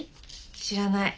知らない。